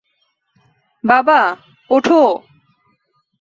বাবা, উঠো।